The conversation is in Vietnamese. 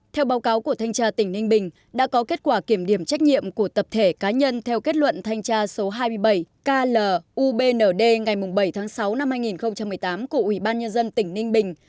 theo báo cáo của thanh tra tỉnh ninh bình đã có kết quả kiểm điểm trách nhiệm của tập thể cá nhân theo kết luận thanh tra số hai mươi bảy kl ubnd ngày bảy tháng sáu năm hai nghìn một mươi tám của ubnd tỉnh ninh bình